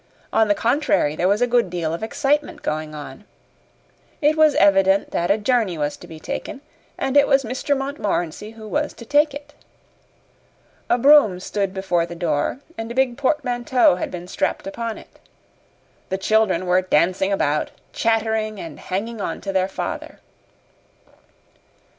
On the contrary, there was a good deal of excitement going on. It was evident that a journey was to be taken, and it was Mr. Montmorency who was to take it. A brougham stood before the door, and a big portmanteau had been strapped upon it. The children were dancing about, chattering and hanging on to their father.